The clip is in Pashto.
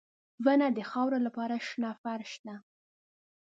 • ونه د خاورو لپاره شنه فرش دی.